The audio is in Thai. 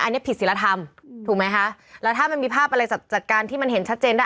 อันนี้ผิดศิลธรรมถูกไหมคะแล้วถ้ามันมีภาพอะไรจัดจัดการที่มันเห็นชัดเจนได้